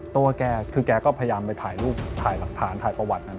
ตัวแกก็พยายามไปถ่ายรูปถ่ายหลักฐานถ่ายประวัติ